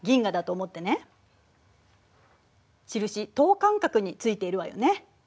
印等間隔についているわよね。